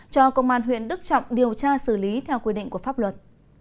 cho công an huyện đức trọng điều tra xử lý theo quy định của pháp luật